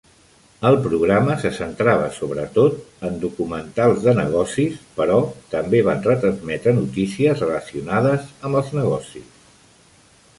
El programa se centrava, sobretot, en documentals de negocis, però també van retransmetre notícies relacionades amb els negocis.